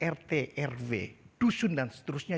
rt rw dusun dan seterusnya